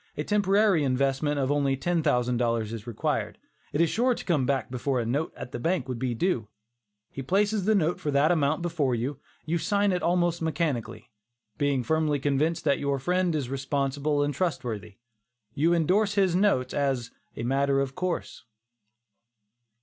A temporary investment of only $10,000 is required. It is sure to come back before a note at the bank would be due. He places a note for that amount before you. You sign it almost mechanically. Being firmly convinced that your friend is responsible and trustworthy, you indorse his notes as "a matter of course."